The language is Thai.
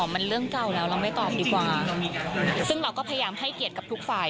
มันเรื่องเก่าแล้วเราไม่ตอบดีกว่าซึ่งเราก็พยายามให้เกียรติกับทุกฝ่าย